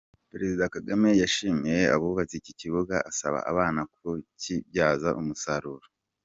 Perezida Kagame yashimiye abubatse iki kibuga asaba abana kukibyaza umusaruro